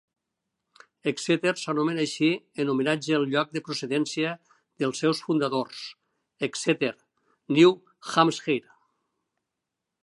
Exeter s'anomena així en homenatge al lloc de procedència dels seus fundadors, Exeter (New Hampshire).